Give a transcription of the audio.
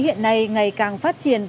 hiện nay ngày càng phát triển